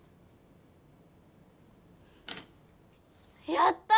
やった！